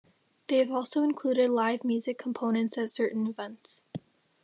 They have also included live music components at certain events.